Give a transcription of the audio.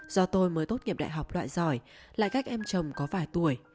do tôi mới tốt nghiệp đại học loại giỏi lại cách em chồng có vài tuổi